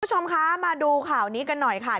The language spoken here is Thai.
คุณผู้ชมคะมาดูข่าวนี้กันหน่อยค่ะ